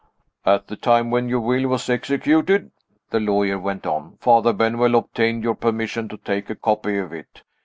"At the time when your will was executed," the lawyer went on, "Father Benwell obtained your permission to take a copy of it.